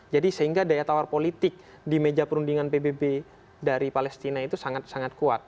jadi sehingga daya tawar politik di meja perundingan pbb dari palestina itu sangat sangat kuat